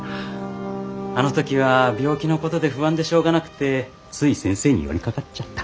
あの時は病気のことで不安でしょうがなくてつい先生に寄りかかっちゃった。